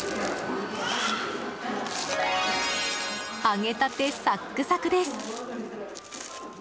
揚げたてサックサクです！